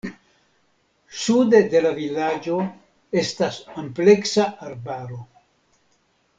Sude de la vilaĝo estas ampleksa arbaro.